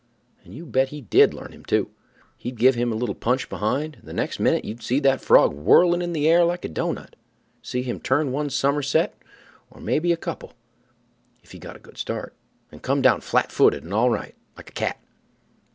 And you bet you he did learn him, too. He'd give him a little punch behind, and the next minute you'd see that frog whirling in the air like a doughnut—see him turn one summerset, or may be a couple, if he got a good start, and come down flat footed and all right, like a cat.